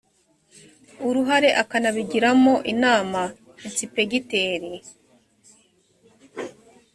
uruhare akanabigiramo inama ensipegiteri